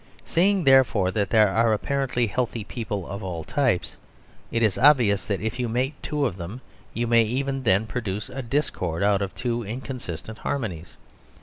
Seeing, therefore, that there are apparently healthy people of all types, it is obvious that if you mate two of them, you may even then produce a discord out of two inconsistent harmonies.